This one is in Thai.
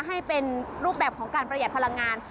ให้เป็นรูปแบบของการประหยัดพลังงาน